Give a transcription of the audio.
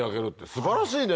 素晴らしいね。